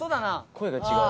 声が違う。